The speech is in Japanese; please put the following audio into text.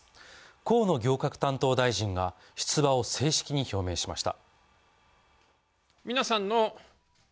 河野行革担当大臣が出馬を正式に表明しました。